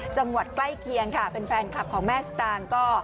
จังหวัดใกล้เคียงค่ะเป็นแฟนคลับของแม่สตางค์ก็